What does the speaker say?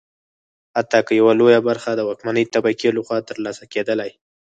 حتی که یوه لویه برخه د واکمنې طبقې لخوا ترلاسه کېدلی.